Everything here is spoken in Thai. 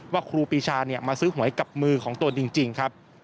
ว่าครูปิชาเนี่ยมาซื้อหวยกับมือของตัวจริงครับ